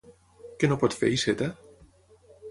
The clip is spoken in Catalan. Què no pot fer Iceta?